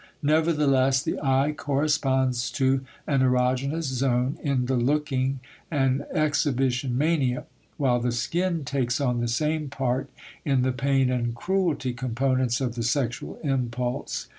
Nevertheless, the eye corresponds to an erogenous zone in the looking and exhibition mania, while the skin takes on the same part in the pain and cruelty components of the sexual impulse.